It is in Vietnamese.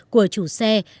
của chủ xe